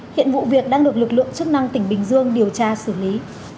hiện vụ việc đang được lực lượng chức năng tỉnh bình dương điều tra xử lý